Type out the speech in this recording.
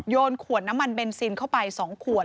ขวดน้ำมันเบนซินเข้าไป๒ขวด